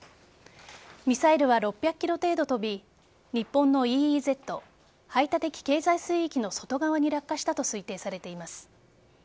ミサイルは６００ｋｍ程度飛び日本のＥＥＺ＝排他的経済水域の外側に落下したと推定されています。